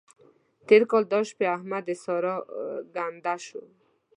تېر کال دا شپې احمد د سارا ګنډه شو.